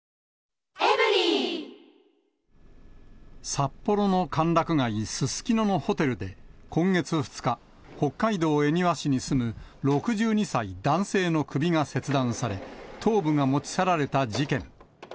札幌の歓楽街、すすきののホテルで、今月２日、北海道恵庭市に住む６２歳男性の首が切断され、頭部が持ち去られた事件。